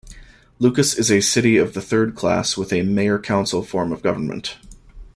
Lucas is a city of the third class with a mayor-council form of government.